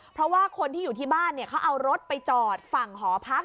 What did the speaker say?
เพราะว่าคนที่อยู่ที่บ้านเขาเอารถไปจอดฝั่งหอพัก